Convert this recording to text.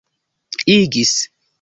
igis